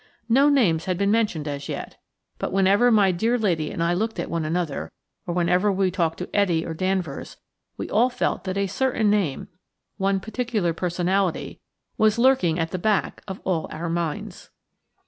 No names had been mentioned as yet, but whenever my dear lady and I looked at one another, or whenever we talked to Etty or Danvers, we all felt that a certain name, one particular personality, was lurking at the back of all our minds.